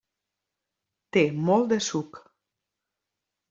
Té molt de suc.